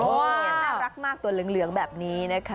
นี่น่ารักมากตัวเหลืองแบบนี้นะคะ